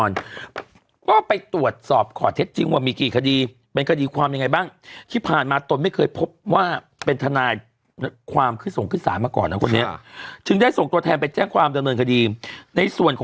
เรียกกันว่าคนที่สังบุรุณละเงิน